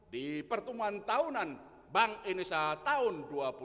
di pertemuan tahunan bank indonesia tahun dua ribu dua puluh dua